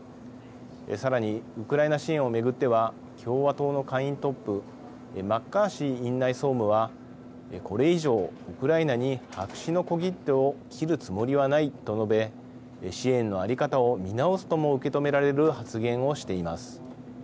さらにウクライナ支援を巡っては共和党の下院トップマッカーシー院内総務はこれ以上、ウクライナに白紙の小切手を切るつもりはないと述べ支援の在り方を見直すとも受け止められる発言をしています。